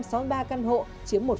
có giá trị dưới hai tỷ đồng